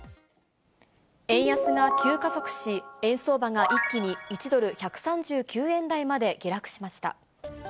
円安が急加速し、円相場が一気に、１ドル１３９円台まで下落しました。